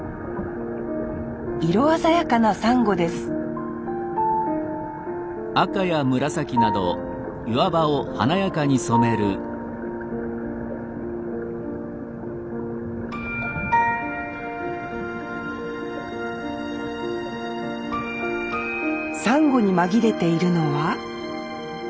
色鮮やかなサンゴですサンゴに紛れているのは。